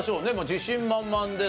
自信満々です。